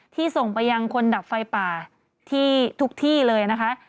ส่งไปยังคนดับไฟป่าที่ทุกที่เลยนะคะ